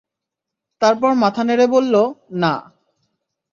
তারপর মাথা নেড়ে বলল, না।